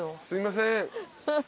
すいません。